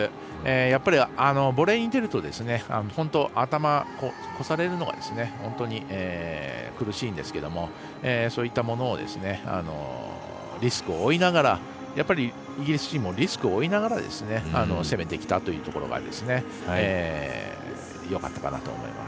やっぱり、ボレーに出ると頭を越されるのが本当に苦しいんですけれどもそういったものをリスクを負いながらやっぱり、イギリスチームもリスクを負いながら攻めてきたというところがよかったかなと思います。